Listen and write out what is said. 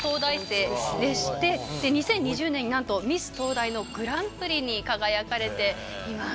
２０２０年になんと「ミス東大」のグランプリに輝かれています。